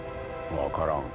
分からん。